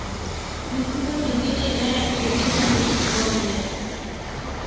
Mifugo mingine inayoathirika ni ngombe